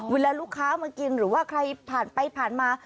เวลาลูกค้ามากินหรือว่าใครผ่านไปผ่านมา